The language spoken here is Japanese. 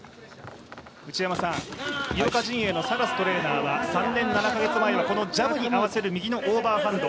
井岡陣営のサラストーレナーは３年７カ月前はこのジャブに合わせる右のオーバーハンド